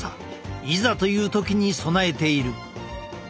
いざという時に備えている。